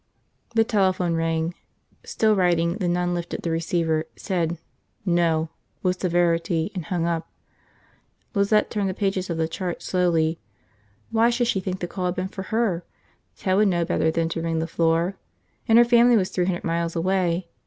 The telephone rang. Still writing, the nun lifted the receiver, said "No!" with severity, and hung up. Lizette turned the pages of the chart slowly. Why should she think the call had been for her? Ted would know better than to ring the floor. And her family was three hundred miles away.